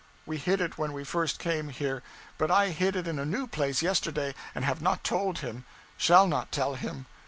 We hid it when we first came here. But I hid it in a new place yesterday, and have not told him shall not tell him.